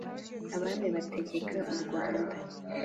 abami bategeka u rwanda.